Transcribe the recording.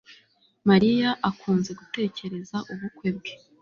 Mariya akunze gutekereza ubukwe bwe